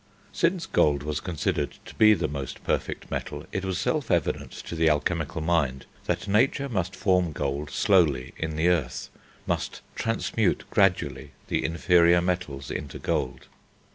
Since gold was considered to be the most perfect metal, it was self evident to the alchemical mind that nature must form gold slowly in the earth, must transmute gradually the inferior metals into gold.